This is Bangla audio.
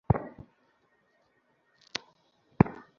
লাবণ্যকে বার বার বললেন, মা লাবণ্য, মনটাকে পাষাণ কোরো না।